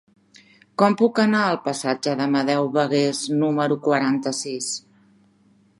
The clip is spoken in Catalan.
Com puc anar al passatge d'Amadeu Bagués número quaranta-sis?